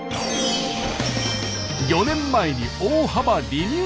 ４年前に大幅リニューアル。